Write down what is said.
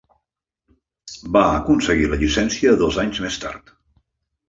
Va aconseguir la llicència dos anys més tard.